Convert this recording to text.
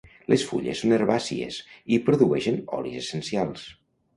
Les fulles són herbàcies i produeixen olis essencials.